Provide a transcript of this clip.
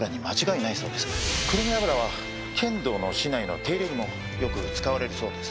くるみ油は剣道の竹刀の手入れにもよく使われるそうです。